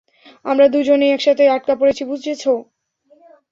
আমরা দুজনে একসাথে আটকা পড়েছি, বুঝেছ?